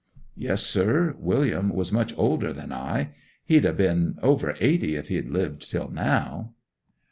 'Yes, sir. William was much older than I. He'd ha' been over eighty if he had lived till now.